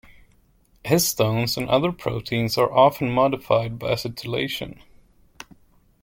Histones and other proteins are often modified by acetylation.